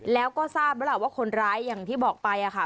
แล้วก็ทราบแล้วล่ะว่าคนร้ายอย่างที่บอกไปค่ะ